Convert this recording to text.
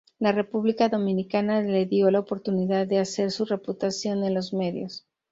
La República Dominicana le dio la oportunidad de hacer su reputación en los medios.